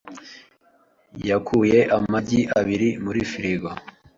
yakuye amagi abiri muri firigo.